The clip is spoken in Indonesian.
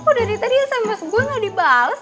kok dari tadi sms gue gak dibalas